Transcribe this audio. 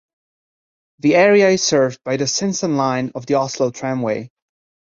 The area is served by the Sinsen Line of the Oslo Tramway.